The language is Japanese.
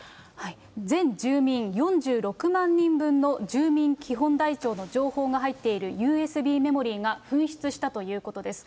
全住民４６万人分の住民基本台帳の情報が入っているＵＳＢメモリーが、紛失したということです。